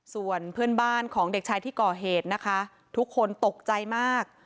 ส่วนเพื่อนบ้านของเด็กชายที่ก่อเหตุนะคะทุกคนตกใจมาก